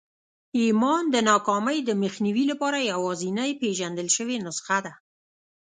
ايمان د ناکامۍ د مخنيوي لپاره يوازېنۍ پېژندل شوې نسخه ده.